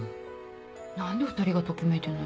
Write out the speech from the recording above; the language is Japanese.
何で２人がときめいてんのよ。